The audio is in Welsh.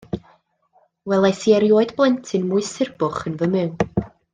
Welais i erioed blentyn mwy surbwch yn fy myw.